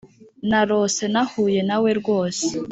narrose nahuye nawe rwose